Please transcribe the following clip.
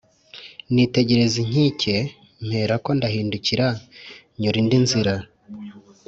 nitegereza inkike mperako ndahindukira nyura indi nzira.